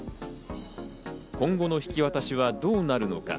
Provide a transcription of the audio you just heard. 今後の引き渡しはどうなるのか？